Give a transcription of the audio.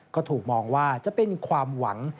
ก็ถูกมองว่าจะเป็นความหวัง